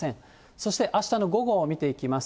そして、あしたの午後を見ていきます。